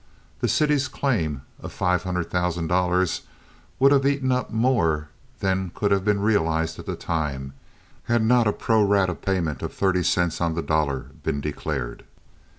The city's claim of five hundred thousand dollars would have eaten up more than could have been realized at the time, had not a pro rata payment of thirty cents on the dollar been declared.